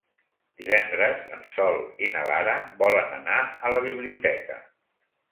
Divendres en Sol i na Lara volen anar a la biblioteca.